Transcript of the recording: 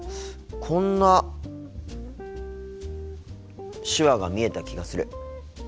こんな手話が見えた気がする。